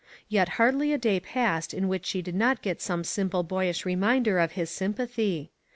Yet hardly a day passed in which she did not get some simple boyish reminder of his sympathy.